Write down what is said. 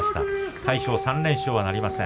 魁勝、３連勝なりません。